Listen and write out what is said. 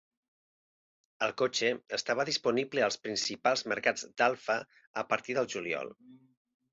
El cotxe estava disponible als principals mercats d'Alfa a partir del juliol.